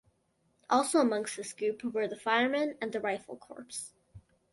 Also amongst this group were the firemen, and the rifle corps.